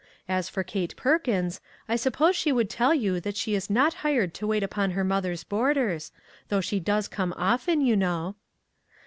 As for Kate Perkins, I sup pose she would tell you that she is not hired to wait upon her mother's boarders, though she does come often, you know."